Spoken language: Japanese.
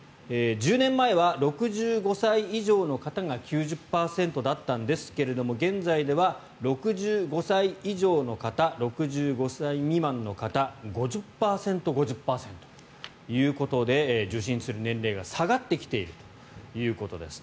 １０年前は６５歳以上の方が９０％だったんですが現在では６５歳以上の方６５歳未満の方５０％、５０％ということで受診する年齢が下がってきているということです。